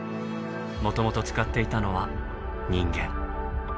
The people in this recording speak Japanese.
もともと使っていたのは人間。